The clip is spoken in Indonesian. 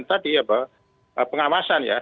tadi pengawasan ya